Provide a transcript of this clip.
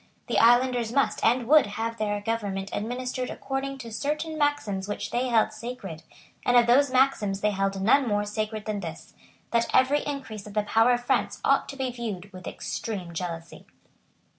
The islanders must and would have their government administered according to certain maxims which they held sacred; and of those maxims they held none more sacred than this, that every increase of the power of France ought to be viewed with extreme jealousy.